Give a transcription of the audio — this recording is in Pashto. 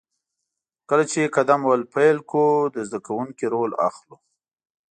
کله چې قدم وهل پیل کړو، د زده کوونکي رول اخلو.